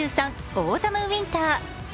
オータム／ウィンター。